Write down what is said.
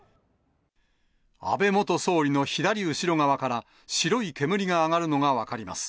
安倍元総理の左後ろ側から白い煙が上がるのが分かります。